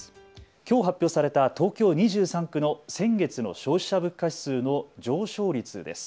今日発表された東京２３区の先月の消費者物価指数の上昇率です。